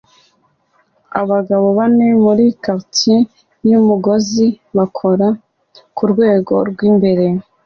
Abagabo bane muri quartet yumugozi bakora kurwego rwimbere